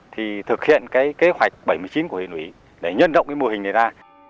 thì thực hiện kế hoạch bảy mươi chín của hội nguyễn đức trọng để nhân rộng mô hình này ra